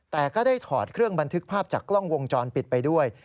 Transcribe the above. แต่ก็ได้ถอดเครื่องบันทึกภาพจากกล้องวงจรปิดไปด้วย